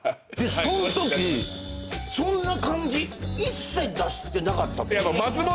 そんときそんな感じ一切出してなかった。